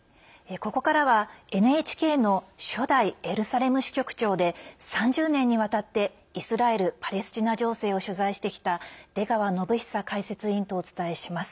ここからはＮＨＫの初代エルサレム支局長で３０年にわたってイスラエル・パレスチナ情勢を取材してきた出川展恒解説委員とお伝えします。